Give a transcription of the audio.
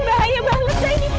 bapak aja tuh mau taruh za